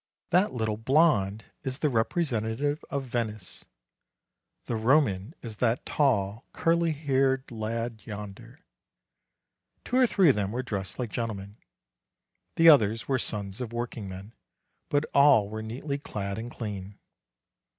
'That little blonde is the representative of Venice. The Roman is that tall, curly haired lad, yonder." Two or three of them were dressed like gentlemen; the others were sons of workingmen, but all were neatly clad and clean.